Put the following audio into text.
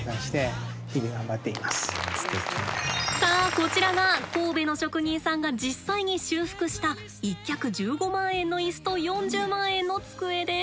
さあこちらが神戸の職人さんが実際に修復した１脚１５万円の椅子と４０万円の机です。